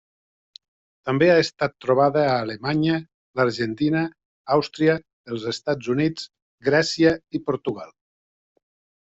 També ha estat trobada a Alemanya, l'Argentina, Àustria, els Estats Units, Grècia i Portugal.